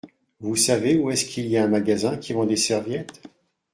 Vous savez où est-ce qu’il y a un magasin qui vend des serviettes ?